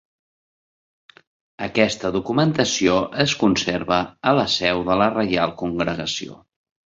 Aquesta documentació es conserva a la seu de la Reial Congregació.